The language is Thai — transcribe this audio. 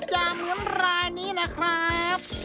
อย่าเหมือนรายนี้นะครับ